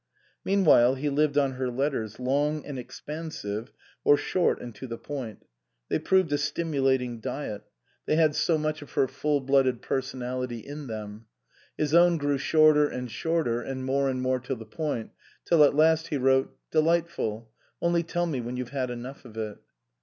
Meanwhile he lived on her letters, long and ex pansive, or short and to the point. They proved a stimulating diet ; they had so much of her f ull 192 OUTWARD BOUND blooded personality in them. His own grew shorter and shorter and more and more to the point, till at last he wrote :" Delightful. Only tell me when you've had enough of it."